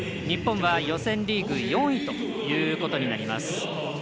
日本は予選リーグ４位ということになります。